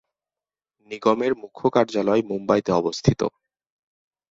নিগমের মুখ্য কার্যালয় মুম্বাইতে অবস্থিত।